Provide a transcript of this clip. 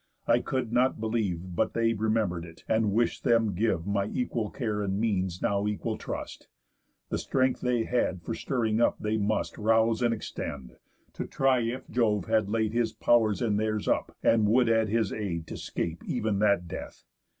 I could not believe But they remember'd it, and wish'd them give My equal care and means now equal trust. The strength they had for stirring up they must Rouse and extend, to try if Jove had laid His pow'rs in theirs up, and would add his aid To 'scape ev'n that death.